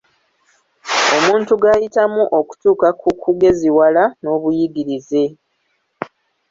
Omuntu g'ayitamu okutuuka ku kugeziwala n'obuyigirize.